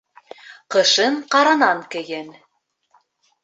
Ҡышын ҡаранан кейен.